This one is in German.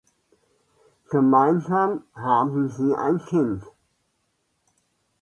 Gemeinsam haben sie ein Kind.